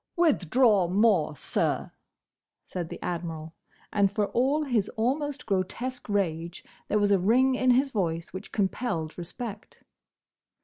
'" "Withdraw more, sir!" said the Admiral, and for all his almost grotesque rage, there was a ring in his voice which compelled respect.